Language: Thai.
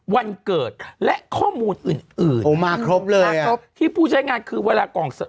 วันเกิดและข้อมูลอื่นอื่นโอ้มาครบเลยมาครบที่ผู้ใช้งานคือเวลากล่อง